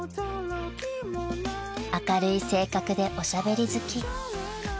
［明るい性格でおしゃべり好き］